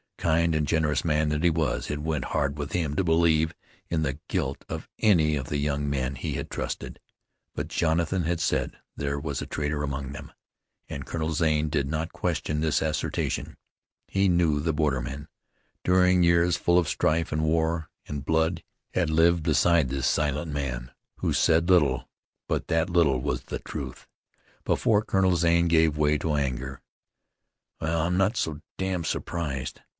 Kind and generous man that he was, it went hard with him to believe in the guilt of any of the young men he had trusted. But Jonathan had said there was a traitor among them, and Colonel Zane did not question this assertion. He knew the borderman. During years full of strife, and war, and blood had he lived beside this silent man who said little, but that little was the truth. Therefore Colonel Zane gave way to anger. "Well, I'm not so damned surprised!